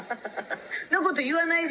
そんなこと言わないで。